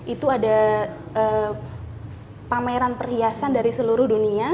itu ada pameran perhiasan dari seluruh dunia